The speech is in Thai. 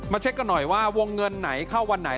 เช็คกันหน่อยว่าวงเงินไหนเข้าวันไหน